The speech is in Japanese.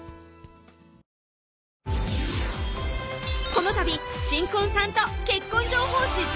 このたび新婚さんと結婚情報誌